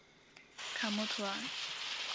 卡默图尔。